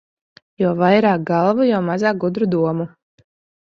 Jo vairāk galvu, jo mazāk gudru domu.